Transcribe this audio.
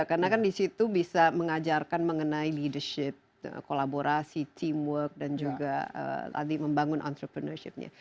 karena kan disitu bisa mengajarkan mengenai leadership kolaborasi teamwork dan juga tadi membangun entrepreneurship nya